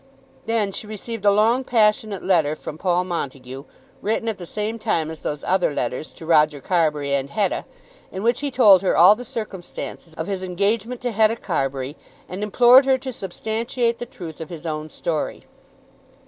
Then she received a long passionate letter from Paul Montague, written at the same time as those other letters to Roger Carbury and Hetta, in which he told her all the circumstances of his engagement to Hetta Carbury, and implored her to substantiate the truth of his own story.